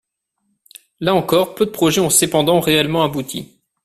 Là encore, peu de projets ont cependant réellement abouti.